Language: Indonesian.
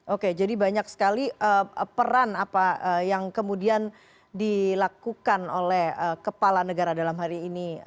oke jadi banyak sekali peran apa yang kemudian dilakukan oleh kepala negara dalam hari ini